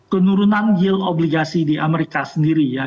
penurunan yield obligasi di amerika sendiri ya